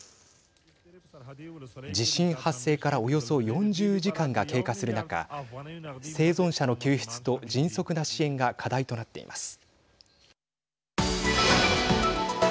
地震発生からおよそ４０時間が経過する中生存者の救出と迅速な支援が課題となっています。